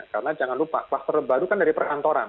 karena jangan lupa kluster baru kan dari perantoran